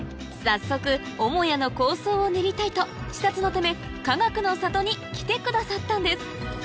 早速母屋の構想を練りたいと視察のためかがくの里に来てくださったんです